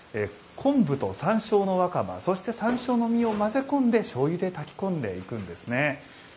昆布と山椒の若葉、そして山椒の実を混ぜ込んで、しょうゆで炊き込んでいくんですね。